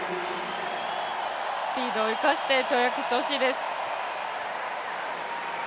スピードを生かして跳躍してほしいです。